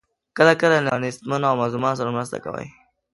کله کله له نیستمنو او مظلومانو سره مرسته کوي.